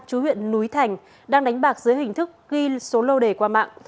chú huyện núi thành đang đánh bạc dưới hình thức ghi số lô đề qua mạng